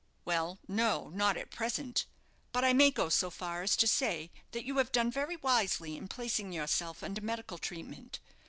"Well, no, not at present; but I may go so far as to say that you have done very wisely in placing yourself under medical treatment.